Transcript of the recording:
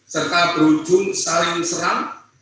serta berujung saling serang